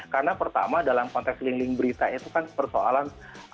karena pertama dalam konteks link link berita itu kan persoalan